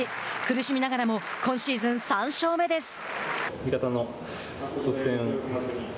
苦しみながらも今シーズン３勝目です。